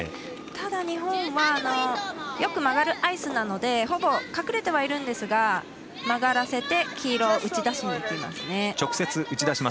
ただ、日本はよく曲がるアイスなのでほぼ隠れてはいるんですが曲がらせて、黄色打ち出しにいきますね。